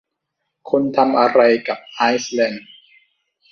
คุณทำอะไรกับไอซ์แลนด์ ?